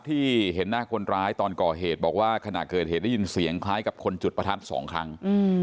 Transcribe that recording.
ที่เห็นหน้าคนร้ายตอนก่อเหตุบอกว่าขณะเกิดเหตุได้ยินเสียงคล้ายกับคนจุดประทัดสองครั้ง